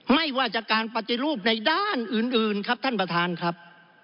ไม่ว่าจากการปฏิรูปในด้านอื่นครับท่านประธานครับ